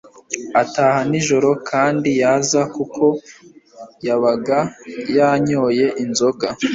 ataha nijoro kandi yaza Kuko yabaga yanyoye inzoga